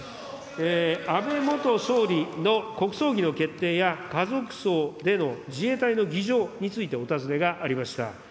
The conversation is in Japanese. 安倍元総理の国葬儀の決定や、家族葬での自衛隊の儀仗についてお尋ねがありました。